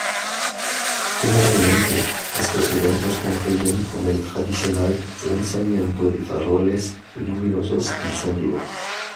Generalmente, estos eventos concluyen con el tradicional lanzamiento de faroles luminosos encendidos.